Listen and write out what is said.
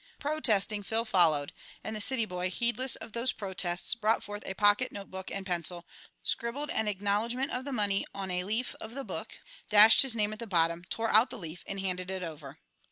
Protesting, Phil followed; and the city boy, heedless of those protests, brought forth a pocket notebook and pencil, scribbled an acknowledgement of the money on a leaf of the book, dashed his name at the bottom, tore the leaf out and handed it over.